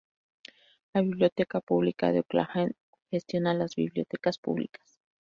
La Biblioteca Pública de Oakland gestiona las bibliotecas públicas.